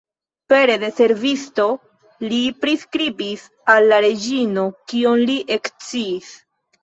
Pere de servisto li priskribis al la reĝino, kion li eksciis.